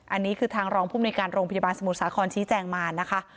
อันนี้คือทางรองภูมิในการโรงพยาบาลสมุทรสาครชี้แจงมานะคะ